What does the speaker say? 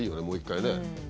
もう一回ね。